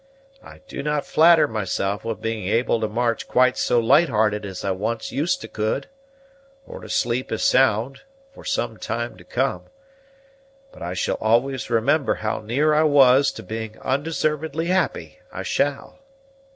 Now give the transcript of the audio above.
I do not flatter myself with being able to march quite so light hearted as I once used to could, or to sleep as sound, for some time to come; but I shall always remember how near I was to being undeservedly happy, I shall.